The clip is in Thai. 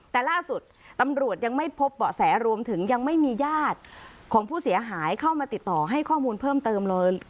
แต่ล่าสุดตำรวจยังไม่พบเบาะแสรวมถึงยังไม่มีญาติของผู้เสียหายเข้ามาติดต่อให้ข้อมูลเพิ่มเติมเลย